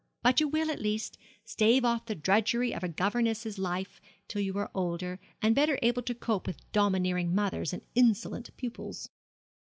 But you will, at least, stave off the drudgery of a governess's life till you are older, and better able to cope with domineering mothers and insolent pupils.'